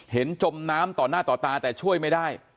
จมน้ำต่อหน้าต่อตาแต่ช่วยไม่ได้